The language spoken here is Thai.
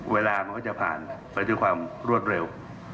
มันก็จะผ่านไปด้วยความรวดเร็ว